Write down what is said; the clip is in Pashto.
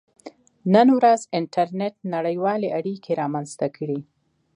• نن ورځ انټرنېټ نړیوالې اړیکې رامنځته کړې.